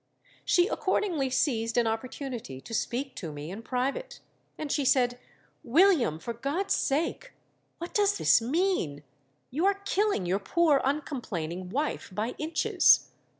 She accordingly seized an opportunity to speak to me in private; and she said, 'William, for God's sake what does this mean? You are killing your poor uncomplaining wife by inches.